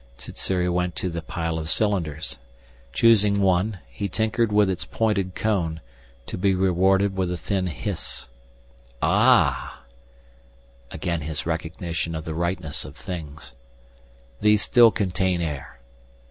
Sssuri went to the pile of cylinders. Choosing one he tinkered with its pointed cone, to be rewarded with a thin hiss. "Ahhhh " again his recognition of the rightness of things. "These still contain air."